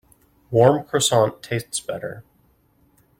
Warm Croissant tastes better.